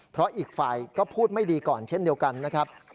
เพราะอีกฝ่ายก็พูดไม่ดีก่อนเช่นเดียวกันนะครับ